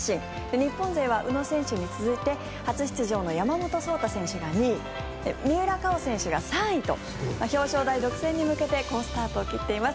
日本勢は宇野選手に続いて初出場の山本草太選手が２位三浦佳生選手が３位と表彰台独占に向けて好スタートを切っています。